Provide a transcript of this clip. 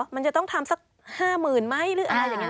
มันจะต้องทำสัก๕๐๐๐ไหมหรืออะไรอย่างนี้